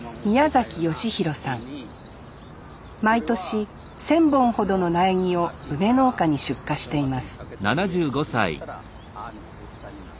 毎年１，０００本ほどの苗木を梅農家に出荷しています